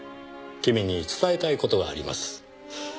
君に伝えたい事があります。